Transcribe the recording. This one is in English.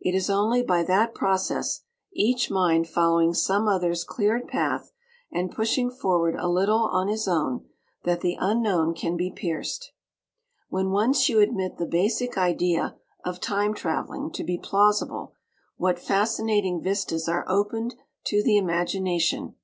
It is only by that process each mind following some other's cleared path and pushing forward a little on his own that the Unknown can be pierced. When once you admit the basic idea of Time traveling to be plausible, what fascinating vistas are opened to the imagination!